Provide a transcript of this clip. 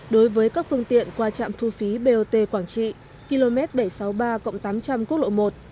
đối với các phương tiện qua trạm thu phí bot quảng trị km bảy trăm sáu mươi ba tám trăm linh quốc lộ một